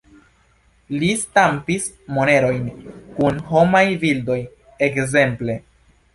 Li stampis monerojn kun homaj bildoj, ekzemple.